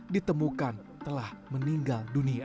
ditemukan telah meninggal dunia